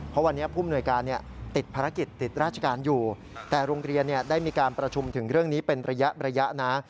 เพราะวันนี้ผู้มนวยการติดภารกิจติดราชการอยู่แต่โรงเรียนได้มีการประชุมถึงเรื่องนี้เป็นระยะนะ